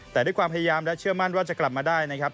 แต่ด้วยความพยายามและเชื่อมั่นว่าจะกลับมาได้นะครับ